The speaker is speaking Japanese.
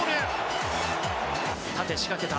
縦仕掛けた。